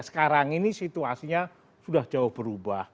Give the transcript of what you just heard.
sekarang ini situasinya sudah jauh berubah